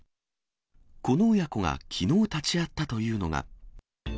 この親子がきのう立ち会ったというのが。